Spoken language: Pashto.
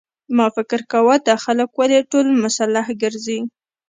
ما فکر کاوه دا خلک ولې ټول مسلح ګرځي.